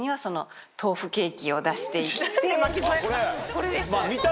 これです。